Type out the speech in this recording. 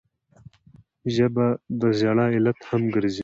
ژبه د ژړا علت هم ګرځي